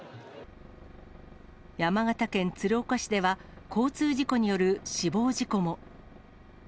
山形県鶴岡市では、交通事故による死亡事故も。